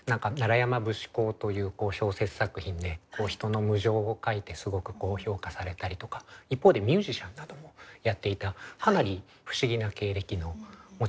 「山節考」という小説作品で人の無情を書いてすごく評価されたりとか一方でミュージシャンなどもやっていたかなり不思議な経歴の持ち主なんですけれど。